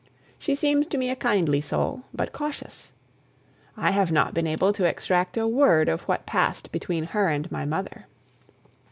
She seems to me a kindly soul, but cautious. I have not been able to extract a word of what passed between her and my mother.